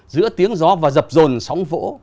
giữa tiếng gió và dập rồn sóng vỗ